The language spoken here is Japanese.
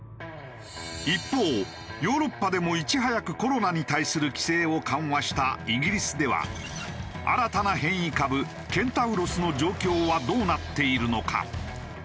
一方ヨーロッパでもいち早くコロナに対する規制を緩和したイギリスでは新たな変異株ケンタウロスの状況はどうなっているのか？